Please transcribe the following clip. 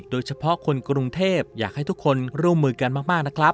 โดยเฉพาะคนกรุงเทพอยากให้ทุกคนร่วมมือกันมากนะครับ